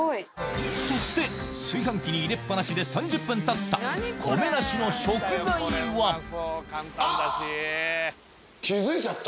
そして炊飯器に入れっ放しで３０分たった米なしの食材は？あっ！